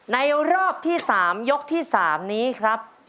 ในรอบที่๓ยกที่๓นี้ครับ